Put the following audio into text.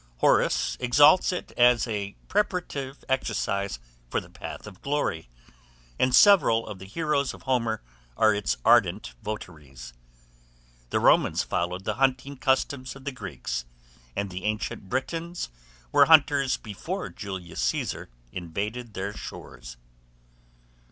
Horace exalts it as a preparative exercise for the path of glory, and several of the heroes of Homer are its ardent votaries. The Romans followed the hunting customs of the Greeks, and the ancient Britons were hunters before Julius Caesar invaded their shores.